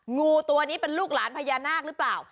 งูตัวนี้เป็นลูกหลานพญานาคหรือเปล่า